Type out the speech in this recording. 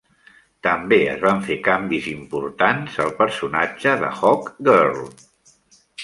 També es van fer canvis importants al personatge de Hawkgirl.